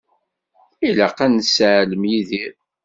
Ilaq ad nesseɛlem Yidir.